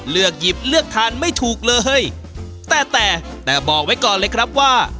เลือกหยิบเลือกทานไม่ถูกเลยแต่แต่บอกไว้ก่อนเลยครับว่า